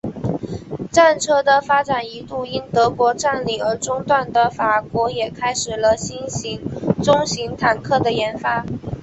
战车的发展一度因德国占领而中断的法国也开始了新型中型坦克的研发。